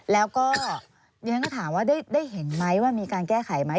แล้วก็ดิฉันก็ถามว่าได้เห็นไหมว่ามีการแก้ไขไหม